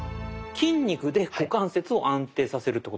筋肉で股関節を安定させるってことですか？